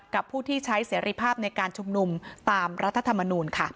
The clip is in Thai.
ผู้ที่ใช้เสรีภาพในการชุมนุมตามรัฐธรรมนูลค่ะ